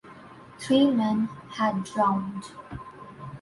Three men had drowned.